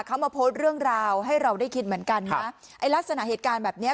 เขามาโพสต์เรื่องราวให้เราได้คิดเหมือนกันนะไอ้ลักษณะเหตุการณ์แบบเนี้ย